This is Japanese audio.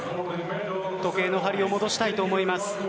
時計の針を戻したいと思います。